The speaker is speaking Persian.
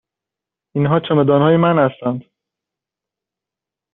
اینها چمدان های من هستند.